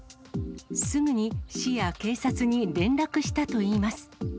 すぐに市や警察に連絡したといいます。